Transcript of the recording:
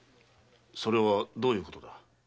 それはどういうことだ？